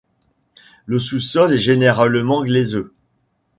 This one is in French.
Le sous-sol est généralement glaiseux.